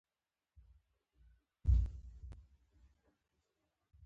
د غوښې ښه پخېدل د خوند زیاتوالي سبب کېږي.